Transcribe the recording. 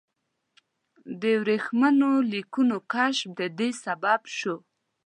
د ورېښمینو لیکونو کشف د دې سبب شو.